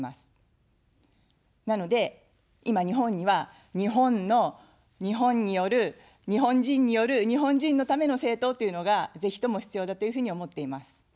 なので、今、日本には、日本の日本による、日本人による日本人のための政党というのが、ぜひとも必要だというふうに思っています。